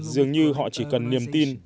dường như họ chỉ cần niềm tin